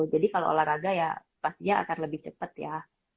jadi kalau olahraga ya pastinya akan lebih cepat ya